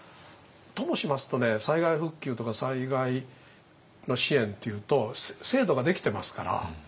ともしますとね災害復旧とか災害の支援っていうと制度ができてますから。